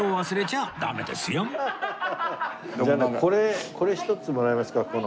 じゃあこれこれ１つもらえますか？